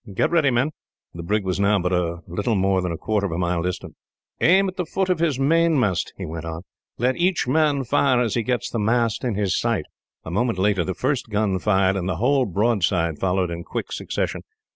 "Get ready, men." The brig was now but a little more than a quarter of a mile distant. "Aim at the foot of his mainmast," he went on. "Let each man fire as he gets the mast on his sight." A moment later the first gun fired, and the whole broadside followed in quick succession.